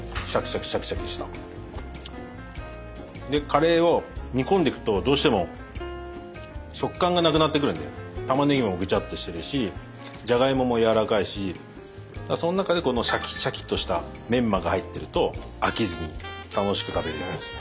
カレーを煮込んでくとどうしても食感がなくなってくるんでたまねぎもぐちゃっとしてるしじゃがいもも柔らかいしその中でこのシャキシャキっとしたメンマが入っていると飽きずに楽しく食べれます。